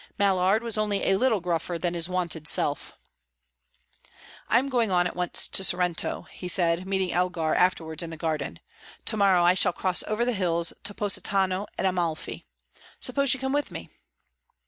Mallard was only a little gruffer than his wonted self. "I am going on at once to Sorrento," he said, meeting Elgar afterwards in the garden. "To morrow I shall cross over the hills to Positano and Amalfi. Suppose you come with me?"